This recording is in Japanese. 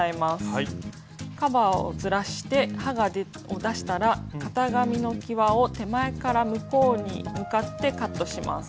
カバーをずらして刃を出したら型紙のきわを手前から向こうに向かってカットします。